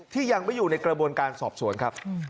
ที่ยังไม่อยู่ในกระบวนการสอบสวนครับ